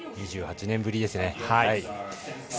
２８年ぶりですね。